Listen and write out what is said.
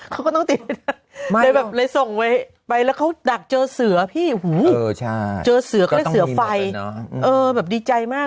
เลยแบบเลยส่งไว้ไปแล้วเขาดักเจอหัวเหี้ยส่วนไฟนะแบบดีใจมาก